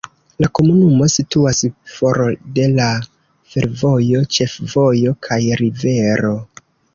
La komunumo situas for de la fervojo, ĉefvojo kaj rivero.